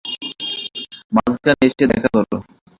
মাঝখানে এসে দেখা করো।